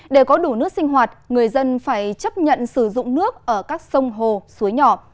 để có đủ nước sinh hoạt người dân phải chấp nhận sử dụng nước ở các sông hồ suối nhỏ